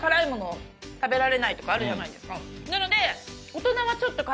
なので。